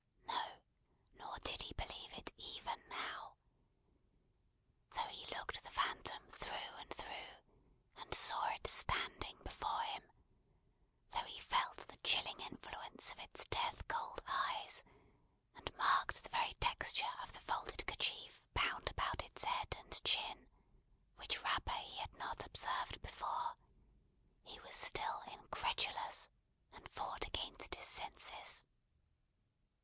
No, nor did he believe it even now. Though he looked the phantom through and through, and saw it standing before him; though he felt the chilling influence of its death cold eyes; and marked the very texture of the folded kerchief bound about its head and chin, which wrapper he had not observed before; he was still incredulous, and fought against his senses.